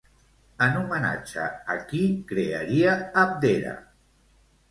En homenatge a qui crearia Abdera?